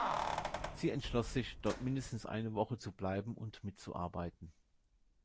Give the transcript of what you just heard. Sie entschloss sich, dort mindestens eine Woche zu bleiben und mitzuarbeiten.